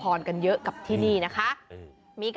พระเจ้านอนหนุนได้ว่า